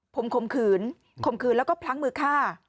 ผมข่มขืนข่มขืนแล้วก็พลั้งมือฆ่า